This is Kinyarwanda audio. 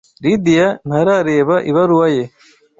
Lidia ntarareba ibaruwa ye.